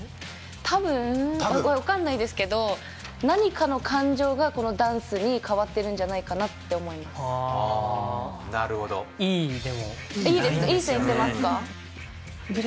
多分分かんないですけど何かの感情がこのダンスに変わってるんじゃないかなって思いますなるほどいいでもラインですよね